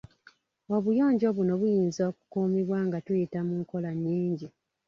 Obuyonjo buno buyinza okukuumibwa nga tuyita mu nkola nnyingi.